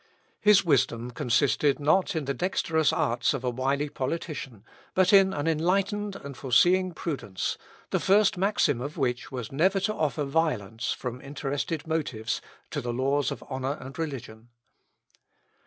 His wisdom consisted not in the dexterous arts of a wily politician, but in an enlightened and foreseeing prudence, the first maxim of which was never to offer violence, from interested motives, to the laws of honour and religion.